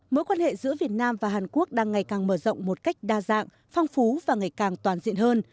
mối quan hệ giữa việt nam và hàn quốc đang ngày càng mở rộng một cách đa dạng phong phú và ngày càng toàn diện hơn